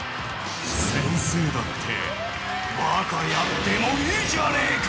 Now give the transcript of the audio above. ［先生だってバカやってもいいじゃねえか！］